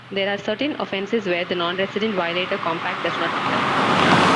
There are certain offenses where the Non-Resident Violator Compact does not apply.